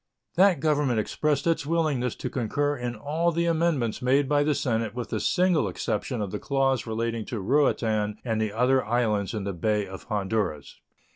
That Government expressed its willingness to concur in all the amendments made by the Senate with the single exception of the clause relating to Ruatan and the other islands in the Bay of Honduras.